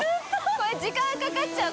これ時間かかっちゃう。